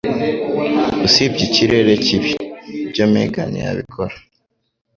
Usibye ikirere kibi (ibyo Megan yabikora